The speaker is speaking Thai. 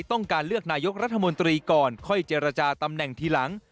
ต้องการเลือกนายกรัฐมนตรีก่อนค่อยเจรจาตำแหน่งทีหลัง